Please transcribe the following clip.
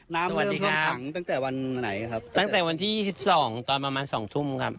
น้ำท่วมขังตั้งแต่วันไหนครับตั้งแต่วันที่ยี่สิบสองตอนประมาณสองทุ่มครับ